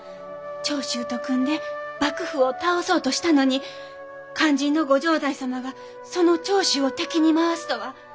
長州と組んで幕府を倒そうとしたのに肝心の御城代様がその長州を敵に回すとは。